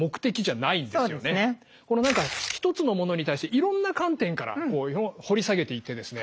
この何か１つのものに対していろんな観点からこう掘り下げていってですね